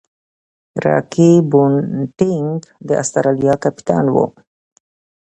راكي پونټنګ د اسټرالیا کپتان وو.